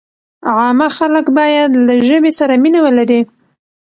عامه خلک باید له ژبې سره مینه ولري.